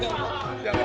jangan salam pak